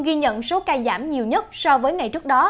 ghi nhận số ca giảm nhiều nhất so với ngày trước đó